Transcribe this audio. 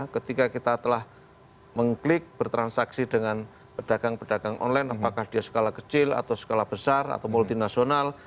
ketika kita telah mengklik bertransaksi dengan pedagang pedagang online apakah dia skala kecil atau skala besar atau multinasional